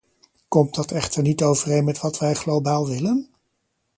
Komt dat echter niet overeen met wat wij globaal willen?